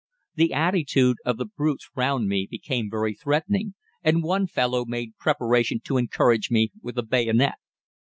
The attitude of the brutes round me became very threatening, and one fellow made preparation to encourage me with a bayonet.